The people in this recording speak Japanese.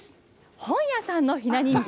本屋さんのひな人形。